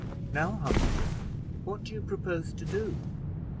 "Now, Humphrey, what do you propose to do?"